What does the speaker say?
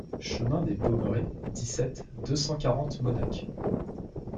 Chemin des Pommerais, dix-sept, deux cent quarante Mosnac